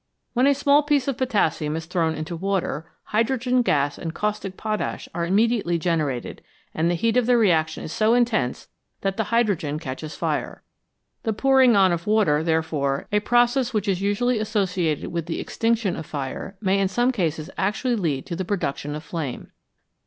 When a small piece of potassium is thrown into water, hydrogen gas and caustic potash are immediately gener ated, and the heat of the reaction is so intense that the hydrogen catches fire. The pouring on of water, therefore, a process which is usually associated with the extinction of fire, may in some cases actually lead to the production of flame.